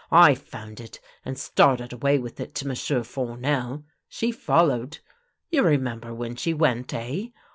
I found it, and started away with it to M'sieu' Fournel. She followed. You remember when she went — eh?